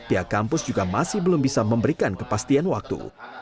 pihak kampus juga masih belum bisa memberikan kepastian waktu